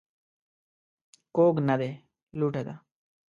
کوږ نه دى ، لوټه ده.